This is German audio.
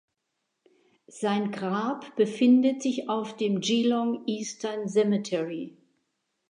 Sein Grab befindet sich auf dem "Geelong Eastern Cemetery".